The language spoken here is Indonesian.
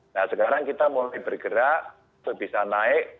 nah sekarang kita mulai bergerak bisa naik